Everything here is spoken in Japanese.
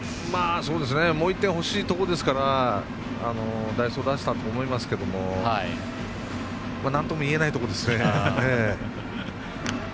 もう１点、欲しいところですから代走を出したと思いますけどなんともいえないところですね。